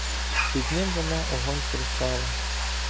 Під ним вона огонь кресала